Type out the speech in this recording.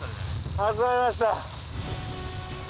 集まりました。